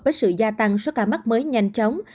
với sự gia tăng số ca mắc mới nhanh chóng